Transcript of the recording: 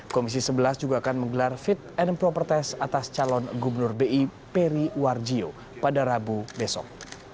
komisi sebelas juga akan menggelar fit and proper test atas calon gubernur bi peri warjio pada rabu besok